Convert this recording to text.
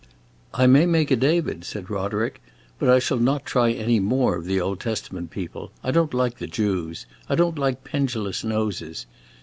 "I may make a David," said Roderick, "but I shall not try any more of the Old Testament people. I don't like the Jews; I don't like pendulous noses.